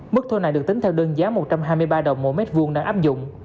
mức thu này được tính theo đơn giá một trăm hai mươi ba đồng mỗi mét vuông đang áp dụng